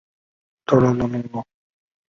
全会把王明推上中共的最高领导岗位。